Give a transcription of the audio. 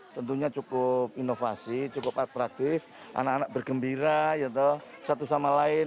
tentunya cukup inovasi cukup atraktif anak anak bergembira satu sama lain